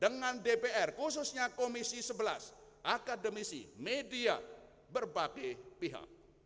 dengan dpr khususnya komisi sebelas akademisi media berbagai pihak